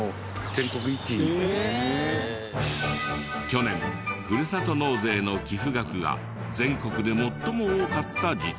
去年ふるさと納税の寄付額が全国で最も多かった自治体。